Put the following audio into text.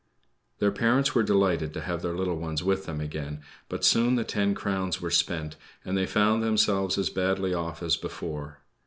Their parents were delighted to have their little ones with them again; but soon the ten crowns were spent, and they found themselves as badly off as before.